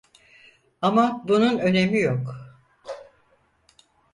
Ama bunun önemi yok.